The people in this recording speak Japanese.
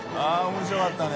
△面白かったね